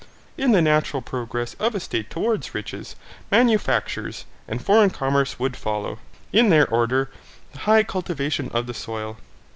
In the natural progress of a state towards riches, manufactures, and foreign commerce would follow, in their order, the high cultivation of the soil.